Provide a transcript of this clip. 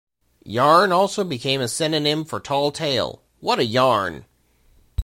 Yarn also became a synonym for "tall tale" - "What a yarn!